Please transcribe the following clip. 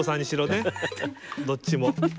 どっちも。